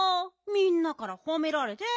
みんなからほめられて。